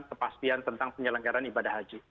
kepastian tentang penyelenggaran ibadah haji